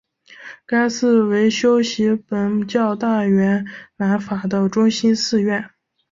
该寺为修习苯教大圆满法的中心寺院。